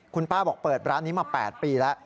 คุณป้าบอกเปิดร้านนี้มา๘ปีแล้ว